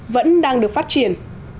vẫn đang được phát triển